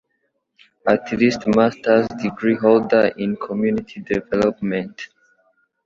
At least Master’s Degree Holder in Community Development